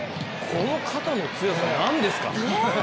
この肩の強さ、何ですか？